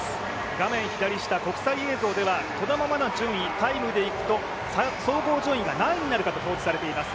画面左下、国際映像ではこのままの順位、タイムでいくと総合順位が何位になるかと表示されています。